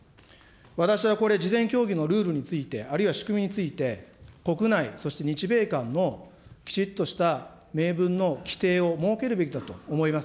私はこれ、事前協議のルールについて、あるいは仕組みについて、国内、そして日米間のきちっとした明文の規定を設けるべきだと思います。